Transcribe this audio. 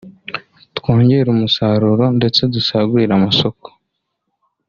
twongere umusaruro ndetse dusagurire amasoko